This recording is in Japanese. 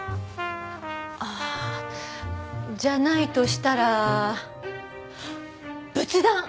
ああじゃないとしたらあっ仏壇！